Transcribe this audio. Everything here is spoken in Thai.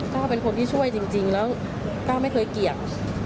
ก็เป็นคนที่ช่วยจริงแล้วก้าวไม่เคยเกลียด